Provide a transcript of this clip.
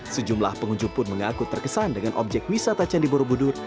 sejumlah pengunjung pun mengaku terkesan dengan objek wisata candi borobudur